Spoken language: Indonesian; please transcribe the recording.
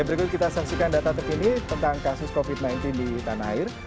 berikut kita saksikan data terkini tentang kasus covid sembilan belas di tanah air